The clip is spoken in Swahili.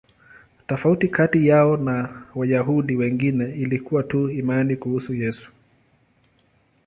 Tofauti kati yao na Wayahudi wengine ilikuwa tu imani kuhusu Yesu.